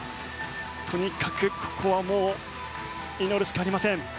とにかく、ここはもう祈るしかありません。